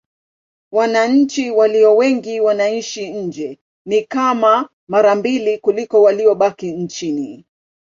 Wananchi walio wengi wanaishi nje: ni kama mara mbili kuliko waliobaki nchini.